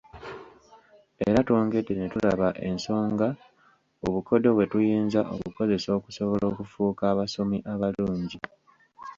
Era twongedde ne tulaba ensonga obukodyo bwe tuyinza okukozesa okusobola okufuuka abasomi abalungi.